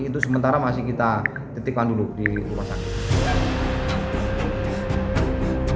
itu sementara masih kita titipkan dulu di rumah sakit